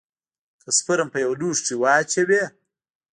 که سپرم په يوه لوښي کښې واچوې.